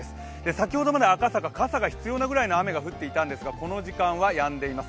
先ほどまで赤坂、傘が必要なくらい雨が降っていたんですがこの時間はやんでいます。